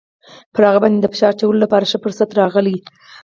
پر هغه باندې د فشار اچولو لپاره ښه فرصت راغلی.